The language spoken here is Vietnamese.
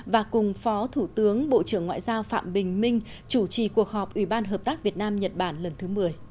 và cùng phó thủ tướng bộ trưởng ngoại giao phạm bình minh chủ trì cuộc họp ủy ban hợp tác việt nam nhật bản lần thứ một mươi